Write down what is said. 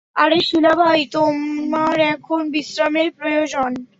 আরে শিলা বাই, তোমার এখন বিশ্রামের প্রয়োজন।